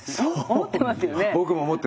思ってますよね？